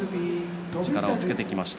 力をつけてきました。